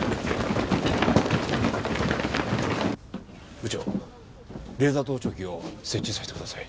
部長レーザー盗聴器を設置させてください。